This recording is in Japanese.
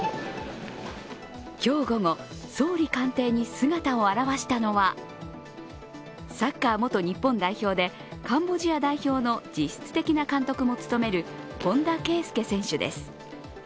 今日午後、総理官邸に姿を現したのはサッカー元日本代表でカンボジア代表の実質的な監督も務める本田圭佑選手です。